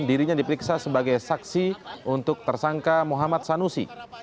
dirinya diperiksa sebagai saksi untuk tersangka muhammad sanusi